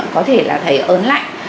có thể là thấy ớn lạnh